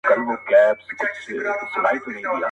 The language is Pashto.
په سلا کي د وزیر هیڅ اثر نه وو-